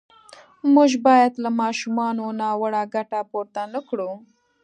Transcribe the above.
موږ باید له ماشومانو ناوړه ګټه پورته نه کړو.